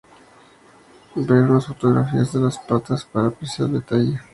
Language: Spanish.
Ver unas fotografías de las patas para apreciar el detalle.